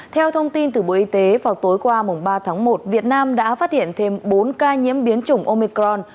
theo thông tin từ bộ y tế vào tối qua ba tháng một việt nam đã phát hiện thêm bốn ca nhiễm biến chủng omicron